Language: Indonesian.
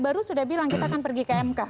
baru sudah bilang kita akan pergi ke mk